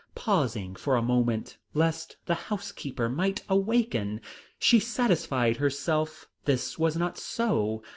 Pausing for a moment lest the housekeeper might be awake, she satisfied herself this was not so.